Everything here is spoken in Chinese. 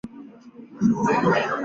这被认为是在纵容色狼。